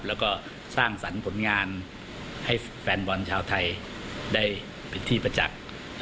แล้วก็สร้างสรรค์ผลงานให้แฟนบอลชาวไทยได้เป็นที่ประจักษ์